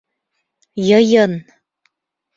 Йыйын!